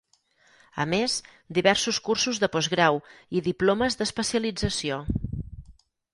A més, diversos cursos de postgrau i diplomes d'especialització.